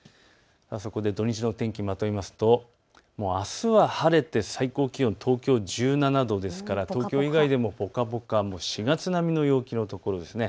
土日の天気、まとめますとあすは晴れて最高気温、東京１７度ですから東京以外でもぽかぽか、４月の陽気並みです。